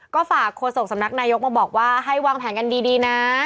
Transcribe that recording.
ก็ฝากโฆษกสำนักนายกมาบอกว่าให้วางแผนกันดีนะ